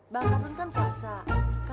bang kardun kan puasa